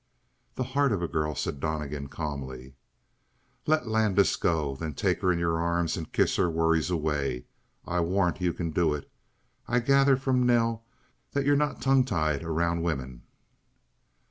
"The heart of a girl," said Donnegan calmly. "Let Landis go; then take her in your arms and kiss her worries away. I warrant you can do it! I gather from Nell that you're not tongue tied around women!"